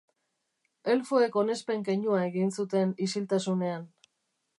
Elfoek onespen keinua egin zuten isiltasunean.